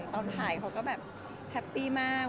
ตอนถ่ายเขาก็แบบแฮปปี้มาก